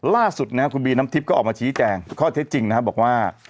ล่าสุดนะครับคุณบีน้ำทิพย์ก็ออกมาชี้แจงข้อเท็จจริงนะครับบอกว่า